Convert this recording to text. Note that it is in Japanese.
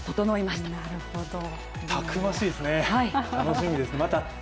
たくましいですね、楽しみです。